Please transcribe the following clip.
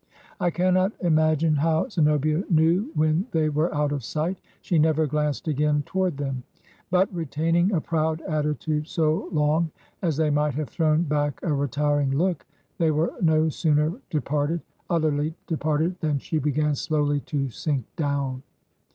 I cannot imagine how Zenobia knew when they were out of sight; she never glanced again toward them. But, retaining a proud attitude so long as they might have thrown back a retiring look, they were no sooner departed — utterly departed — than she began slowly to sink down.